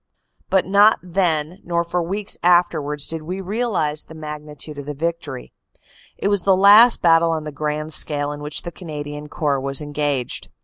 But not then nor for weeks afterward did we realize the magnitude of the victory. It was the last battle on the grand scale in which the Canadian Corps was engaged.